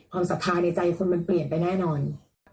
ความศัพทาในใจคุณมันเปลี่ยนไปแน่นอน